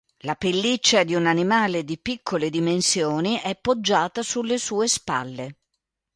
La pelliccia di un animale di piccole dimensioni è poggiata sulle sue spalle.